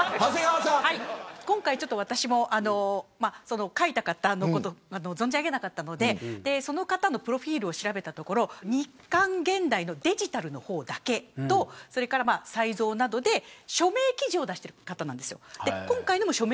今回書いた方のことを存じ上げなかったのでその方のプロフィルを調べたところ日刊ゲンダイのデジタルの方だけとサイゾーなどで署名記事を出している方なんです。